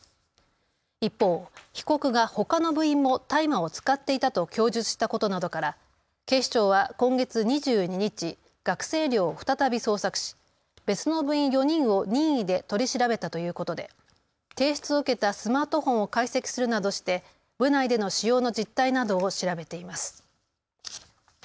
一方、被告がほかの部員も大麻を使っていたと供述したことなどから、警視庁は今月２２日、学生寮を再び捜索し、別の部員４人を任意で取り調べたということで、提出を受けたスマートフォンを解析するなどして部内での使用の実態などを調べています。